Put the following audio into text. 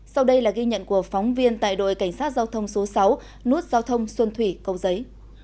sau đây là ghi nhận của phóng viên tại đội cảnh sát giao thông số sáu nút giao thông xuân thủy cầu giấy